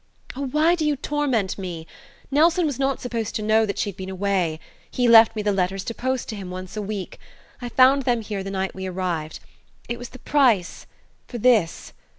"Oh, why do you torment me? Nelson was not supposed to know that she'd been away. She left me the letters to post to him once a week. I found them here the night we arrived.... It was the price for this.